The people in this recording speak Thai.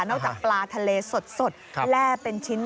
จากปลาทะเลสดแร่เป็นชิ้น